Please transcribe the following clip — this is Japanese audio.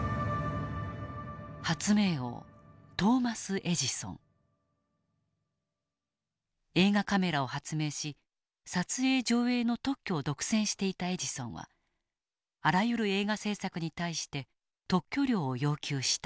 発明王映画カメラを発明し撮影上映の特許を独占していたエジソンはあらゆる映画制作に対して特許料を要求した。